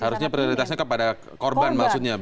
harusnya prioritasnya kepada korban maksudnya